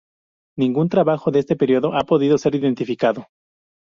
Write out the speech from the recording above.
Ningún trabajo de este período ha podido ser identificado.